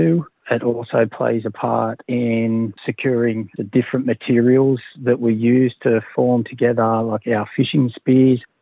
juga memiliki bagian besar dalam memperlindungi material yang berbeda yang kita gunakan untuk berkumpul dengan kuda kuda